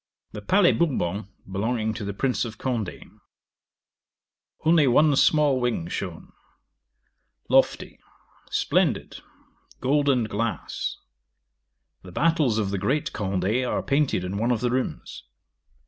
'The Palais Bourbon, belonging to the Prince of Condé. Only one small wing shown; lofty; splendid; gold and glass. The battles of the great Condé are painted in one of the rooms.